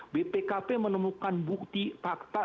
bpkp menemukan bukti fakta